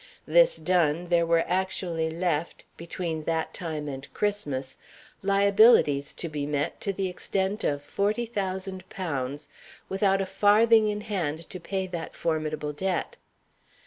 This done, there were actually left, between that time and Christmas, liabilities to be met to the extent of forty thousand pounds, without a farthing in hand to pay that formidable debt.